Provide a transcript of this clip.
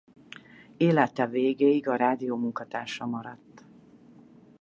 Élete végéig a rádió munkatársa maradt.